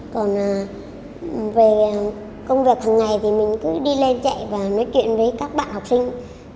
còn về công việc hằng ngày thì mình cứ đi lên chạy và nói chuyện với các bạn học sinh